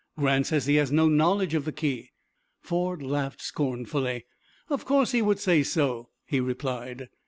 "Grant says he has no knowledge of the key." Ford laughed scornfully. "Of course he would say so," he replied.